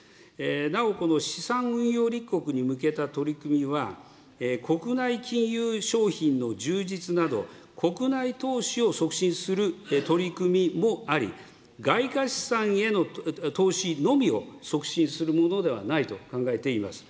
なお、この資産運用立国に向けての取り組みは、国内金融商品の充実など、国内投資を促進する取り組みもあり、外貨資産への投資のみを促進するものではないと考えています。